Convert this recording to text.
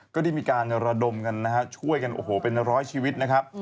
ก็ได้มีการระดมกันช่วยกันเป็นร้อยชีวิต